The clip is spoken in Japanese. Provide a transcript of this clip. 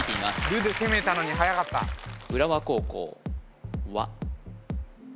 「る」で攻めたのにはやかった浦和高校「わ」